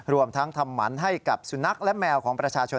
รวมทั้งทำหมันให้กับสุนัขและแมวของประชาชน